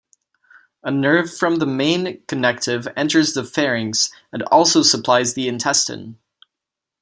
A nerve from the main connective enters the pharynx and also supplies the intestine.